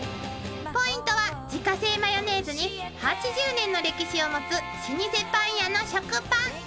［ポイントは自家製マヨネーズに８０年の歴史を持つ老舗パン屋の食パン］